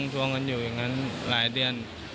ทวงกันอยู่อย่างนั้นหลายเดือน